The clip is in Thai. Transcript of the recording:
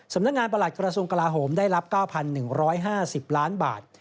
สำนักงานประหลักกระทรวงกลาหมได้รับ๙๑๕๐ล้านบาท